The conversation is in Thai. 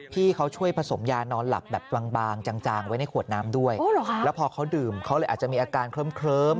พี่เขาช่วยผสมยานอนหลับแบบบางจางไว้ในขวดน้ำด้วยแล้วพอเขาดื่มเขาเลยอาจจะมีอาการเคลิ้ม